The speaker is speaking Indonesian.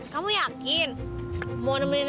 kamu yang kecil